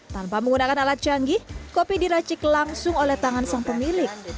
tanpa menggunakan alat canggih kopi diracik langsung oleh tangan sang pemilik